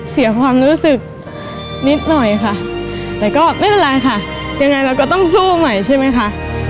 เสียความรู้สึกนิดหน่อยค่ะแต่ก็ไม่เป็นไรค่ะยังไงเราก็ต้องสู้ใหม่ใช่ไหมคะ